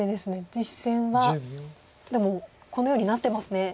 実戦はでもこのようになってますね。